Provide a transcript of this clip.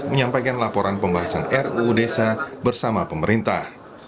menyampaikan laporan pembahasan ruu desa bersama pemerintah